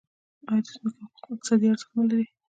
آیا د ځمکې حقوق اقتصادي ارزښت نلري؟